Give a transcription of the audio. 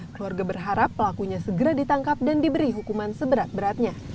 keluarga berharap pelakunya segera ditangkap dan diberi hukuman seberat beratnya